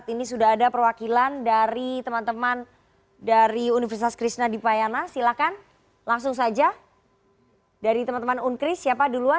terima kasih lama lama di di radio